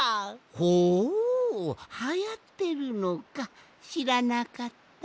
ほうはやってるのかしらなかった。